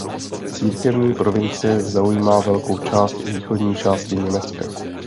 Církevní provincie zaujímá velkou část východní části Německa.